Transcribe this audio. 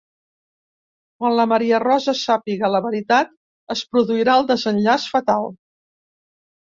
Quan la Maria Rosa sàpiga la veritat es produirà el desenllaç fatal.